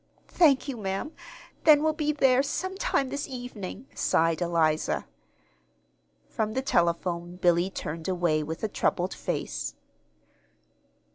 "Thank you, ma'am. Then we'll be there some time this evenin'," sighed Eliza. From the telephone Billy turned away with a troubled face.